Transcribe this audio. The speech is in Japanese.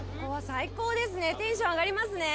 最高ですねテンション上がりますね。